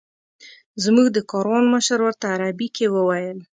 زموږ د کاروان مشر ورته عربي کې وویل.